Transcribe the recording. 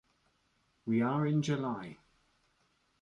We are in July.